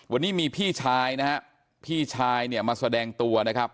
วันนี้มีพี่ชายนะครับพี่ชายมาแสดงตัวนะครับ